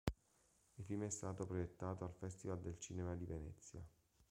Il film è stato proiettato al Festival del cinema di Venezia.